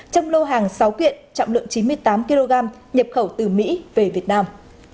trong lô hàng sáu kiện trọng lượng chín mươi tám kg nhập khẩu từ mỹ về việt nam